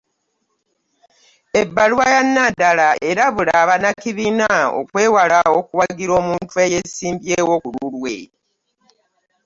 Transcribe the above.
Ebbaluwa ya Nandala erabula bannakibiina okwewala okuwagira omuntu eyeesimbyewo ku lulwe